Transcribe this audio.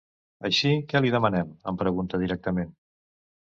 Així, què li demanem? —em pregunta directament.